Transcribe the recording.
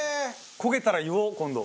焦げたら言おう今度。